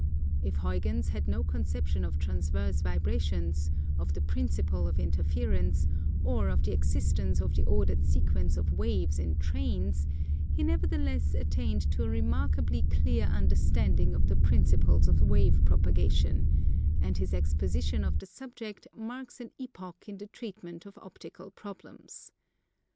If Huygens had no conception of transverse vibrations, of the principle of interference, or of the existence of the ordered sequence of waves in trains, he nevertheless attained to a remarkably clear understanding of the principles of wave propagation; and his exposition of the subject marks an epoch in the treatment of Optical problems.